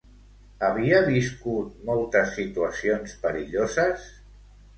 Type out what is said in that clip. Havia viscut moltes situacions perilloses?